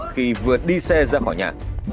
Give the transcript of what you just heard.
khi vượt đi xe ra khỏi nhà